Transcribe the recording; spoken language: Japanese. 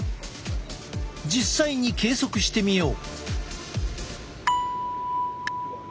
実際に計測してみよう。